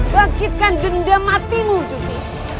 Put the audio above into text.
bangkitkan genuda matimu jumi